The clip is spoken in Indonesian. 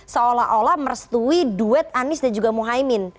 seolah olah merestui duet anis dan juga mohaimin